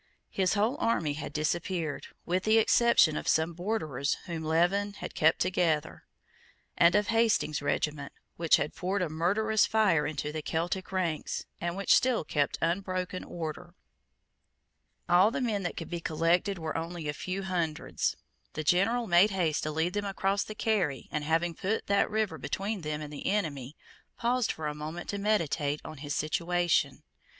His whole army had disappeared, with the exception of some Borderers whom Leven had kept together, and of Hastings's regiment, which had poured a murderous fire into the Celtic ranks, and which still kept unbroken order. All the men that could be collected were only a few hundreds. The general made haste to lead them across the Carry, and, having put that river between them and the enemy, paused for a moment to meditate on his situation.